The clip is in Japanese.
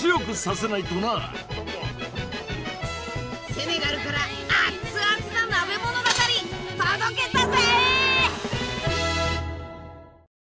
セネガルからあっつあつな鍋物語届けたぜ！